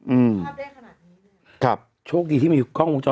อืมภาพเด้งขนาดนี้ครับโชคดีที่มีกล้องวงจร